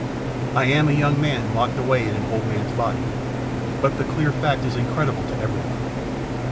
I am a young man locked away in an old man's body. But the clear fact is incredible to everyone.